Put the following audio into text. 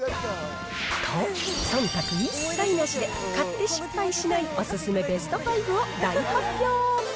と、そんたく一切なしで、買って失敗しないお勧めベスト５を大発表。